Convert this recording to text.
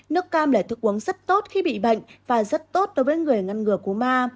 nước cam là thức uống rất tốt khi bị bệnh và rất tốt đối với người ngăn ngừa cú ma